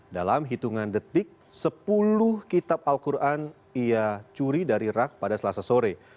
dalam hitungan detik sepuluh kitab al quran ia curi dari rak pada selasa sore